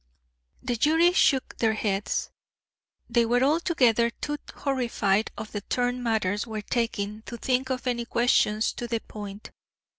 The jury shook their heads. They were altogether too horrified at the turn matters were taking to think of any questions to the point.